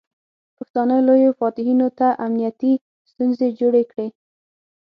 پښتانه لویو فاتحینو ته امنیتي ستونزې جوړې کړې.